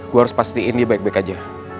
gue harus pastiin dia baik baik aja